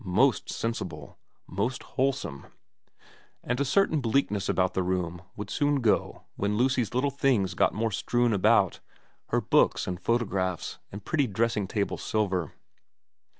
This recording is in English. Most sensible. Most wholesome. And a certain bleak ness about the room would soon go when Lucy's little things got more strewn about, her books, and photo graphs, and pretty dressing table silver.